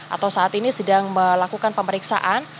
atau saat ini sedang melakukan pemeriksaan